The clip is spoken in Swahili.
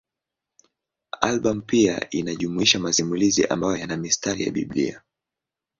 Albamu pia inajumuisha masimulizi ambayo yana mistari ya Biblia.